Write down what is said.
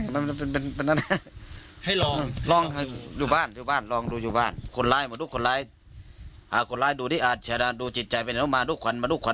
มาดูอี้ดูบ้านดูดู